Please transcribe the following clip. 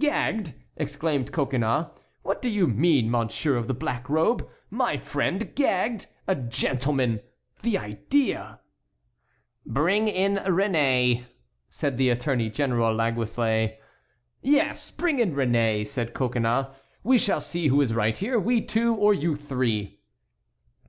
"Gagged!" exclaimed Coconnas; "what do you mean, monsieur of the black robe? My friend gagged? A gentleman! the idea!" "Bring in Réné," said the Attorney General Laguesle. "Yes; bring in Réné," said Coconnas; "we shall see who is right here, we two or you three."